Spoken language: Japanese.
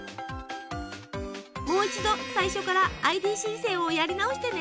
もう一度最初からＩＤ申請をやり直してね。